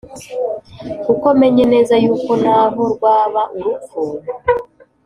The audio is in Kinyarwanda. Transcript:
Kuko menye neza yuko naho rwaba urupfu,